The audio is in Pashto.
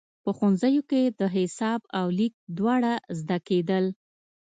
په ښوونځیو کې د حساب او لیک دواړه زده کېدل.